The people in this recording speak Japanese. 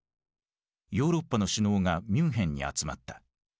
ヨーロッパの首脳がミュンヘンに集まった。